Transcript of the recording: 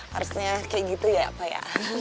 harusnya kayak gitu ya pak ya